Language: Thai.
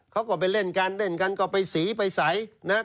เขาก็ไปเล่นกันเล่นกันก็ไปสีไปใสนะครับ